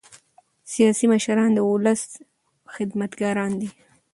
سیاسي مشران د ولس خدمتګاران دي